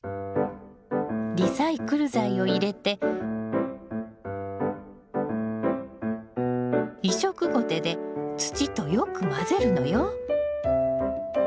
リサイクル材を入れて移植ゴテで土とよく混ぜるのよ。